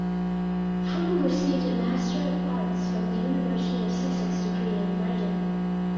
Froom received an Master of Arts from the University of Sussex in creative writing.